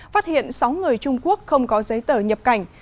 phát hiện sáu người trung quốc không có giấy tờ nhập cảnh